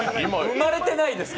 生まれてないです。